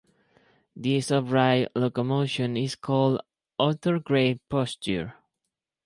This upright locomotion is called "orthograde posture".